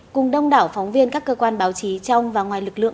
cùng đông đảo phóng viên các cơ quan báo chí trong và ngoài lực lượng